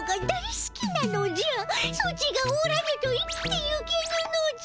ソチがおらぬと生きてゆけぬのじゃ。